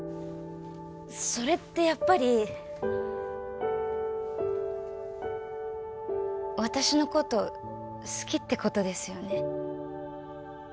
それってやっぱり私のこと好きってことですよね？